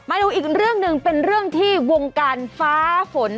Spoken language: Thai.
มาดูอีกเรื่องหนึ่งเป็นเรื่องที่วงการฟ้าฝน